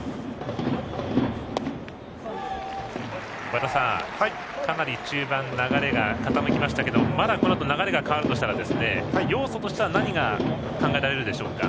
和田さん、かなり中盤流れが傾きましたがまだこのあと流れが変わるとしたら要素としては何が考えられるでしょうか。